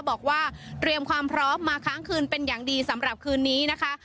บอกว่าเตรียมความพร้อมมาค้างคืนเป็นอย่างดีสำหรับคืนนี้นะคะ